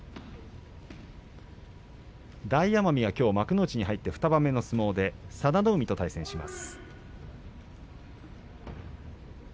大奄美は幕内で入って２番目の相撲で佐田の海と対戦です。